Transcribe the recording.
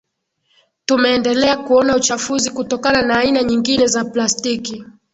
Tumeendelea kuona uchafuzi kutokana na aina nyingine za plaskiti